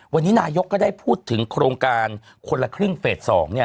วันนี้นายกก็ได้พูดถึงโครงการคนละครึ่งเฟส๒